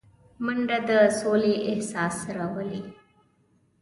منډه د سولې احساس راولي